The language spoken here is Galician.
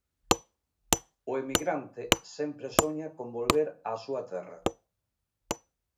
O emigrante sempre soña con volver á súa terra.